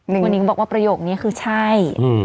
นิ้งก็บอกว่าประโยคนี้คือใช่